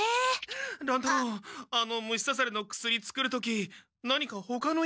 乱太郎あの虫さされの薬作る時何かほかの薬草入れた？